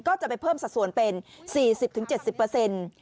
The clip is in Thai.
ก็จะไปเพิ่มสัดส่วนเป็น๔๐๗๐เปอร์เซ็นต์